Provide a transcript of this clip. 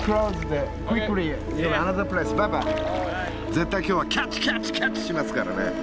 絶対今日はキャッチキャッチキャッチしますからね！